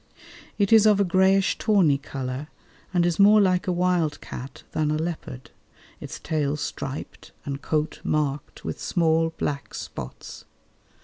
It is of a greyish tawny colour and is more like a wild cat than a leopard, its tail striped and coat marked with small black spots.